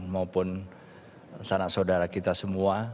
maupun sanak saudara kita semua